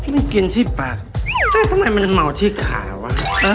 ไม่กินที่ปากใช่ทำไมมันเมาที่ขาวะ